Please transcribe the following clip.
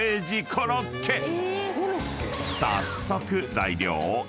［早速］